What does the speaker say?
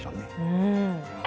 うん！